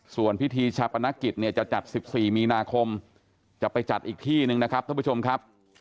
ส่วนพิธีชาปนกิจเนี่ยจะจัด๑๔มีนาคมจะไปจัดอีกที่หนึ่งนะครับท่านผู้ชมครับ